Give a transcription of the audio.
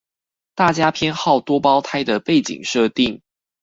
大家偏好多胞胎的背景設定